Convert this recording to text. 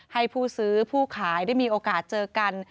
ให้ผู้ซื้อผู้ขายได้มีโอกาสเจอกัน